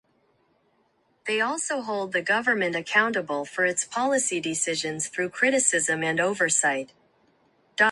They also hold the government accountable for its policy decisions through criticism and oversight.